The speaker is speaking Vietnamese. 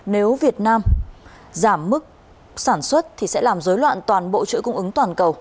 nếu việt nam giảm mức sản xuất thì sẽ làm dối loạn toàn bộ chuỗi cung ứng toàn cầu